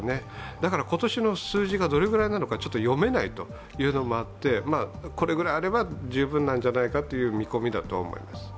だから、今年の数字がどれぐらいなのか読めないというのもあってこれぐらいあれば十分なんじゃないかという見込みだと思います。